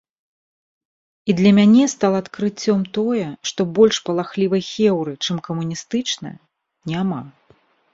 І для мяне стала адкрыццём тое, што больш палахлівай хеўры, чым камуністычная, няма.